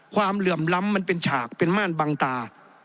เหลื่อมล้ำมันเป็นฉากเป็นม่านบางตา